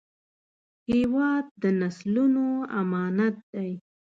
هېواد د نسلونو امانت دی